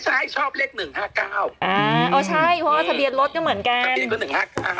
เพราะสะเบียนรถก็เหมือนกัน